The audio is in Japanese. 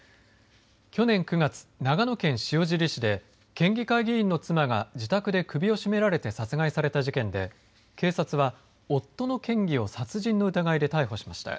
去年９月、長野県塩尻市で、県議会議員の妻が自宅で首を絞められて殺害された事件で、警察は、夫の県議を殺人の疑いで逮捕しました。